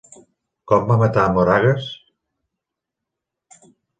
Com va matar a Moragues?